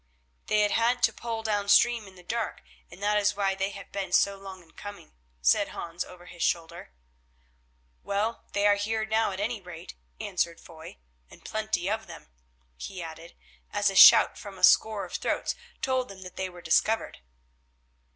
"They have had to pole down stream in the dark, and that is why they have been so long in coming," said Hans over his shoulder. "Well, they are here now at any rate," answered Foy, "and plenty of them," he added, as a shout from a score of throats told them that they were discovered.